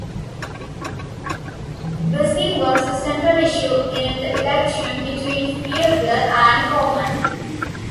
Busing was the central issue in the election between Fiedler and Corman.